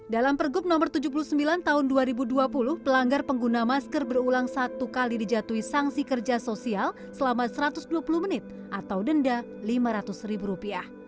dalam pergub no tujuh puluh sembilan tahun dua ribu dua puluh pelanggar pengguna masker berulang satu kali dijatuhi sanksi kerja sosial selama satu ratus dua puluh menit atau denda rp lima ratus ribu rupiah